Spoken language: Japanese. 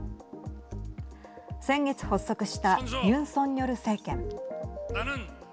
先月発足したユン・ソンニョル政権。